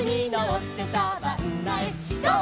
「ゴー！